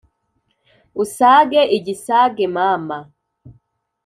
usage igisage mama